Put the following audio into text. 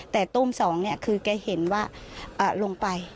แต่ตู้ม๒คือแกเห็นว่าลงไป